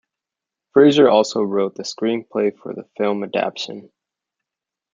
Fraser also wrote the screenplay for the film adaptation.